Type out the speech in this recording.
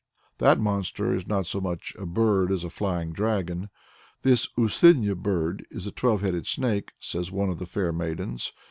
That monster is not so much a bird as a flying dragon. "This Usuinya bird is a twelve headed snake," says one of the fair maidens.